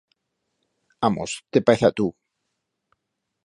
Amos, te parez a tu!